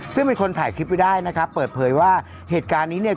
ซึ่งเป็นคนถ่ายคลิปไว้ได้นะครับเปิดเผยว่าเหตุการณ์นี้เนี่ย